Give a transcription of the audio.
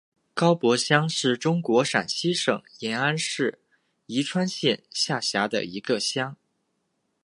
高柏乡是中国陕西省延安市宜川县下辖的一个乡。